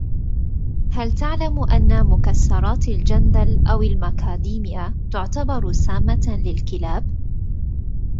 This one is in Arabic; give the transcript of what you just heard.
هل تعلم أن مكسرات الجندل أو المكاديميا تعتبر سامة للكلاب.